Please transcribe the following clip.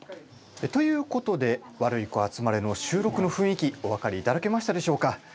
ということで「ワルイコあつまれ」の収録の雰囲気お分かりいただけましたでしょうか。